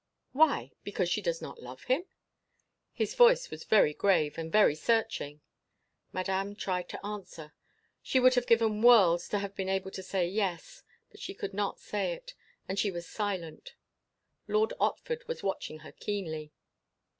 "Why? Because she does not love him?" His voice was very grave and very searching. Madame tried to answer. She would have given worlds to have been able to say "Yes." But she could not say it, and she was silent. Lord Otford was watching her keenly.